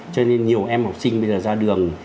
cho nên nhiều em học sinh bây giờ ra đường